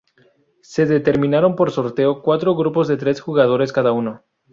Se determinaron por sorteo cuatro grupos de tres jugadores cada uno.